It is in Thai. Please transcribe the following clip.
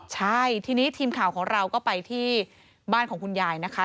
ใช่ทีนี้ทีมข่าวของเราก็ไปที่บ้านของคุณยายนะคะ